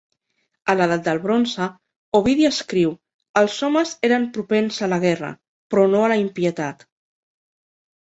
A l'edat del bronze, Ovidi escriu, els homes eren propens a la guerra, però no a la impietat.